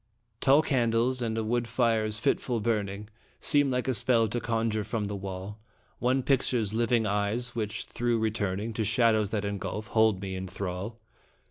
Tall candles and a wood fire's fitful burning Seem like a spell to conjure from the wall One picture's living eyes, which, though returning To shadows that engulf, hold me in thrall.